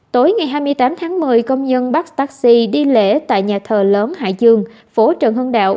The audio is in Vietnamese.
tối ngày hai mươi tám tháng một mươi công nhân bắt taxi đi lễ tại nhà thờ lớn hải dương phố trần hưng đạo